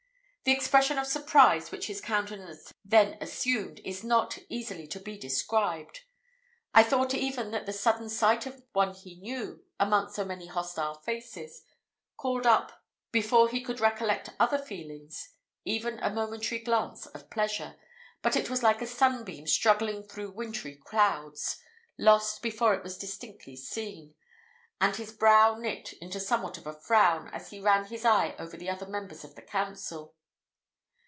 The expression of surprise which his countenance then assumed is not easily to be described. I thought even that the sudden sight of one he knew, amongst so many hostile faces, called up, before he could recollect other feelings, even a momentary glance of pleasure, but it was like a sunbeam struggling through wintry clouds, lost before it was distinctly seen; and his brow knit into somewhat of a frown, as he ran his eye over the other members of the council.